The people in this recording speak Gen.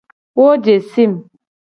Wo je sim.